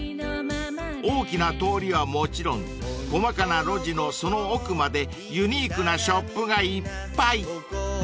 ［大きな通りはもちろん細かな路地のその奥までユニークなショップがいっぱい］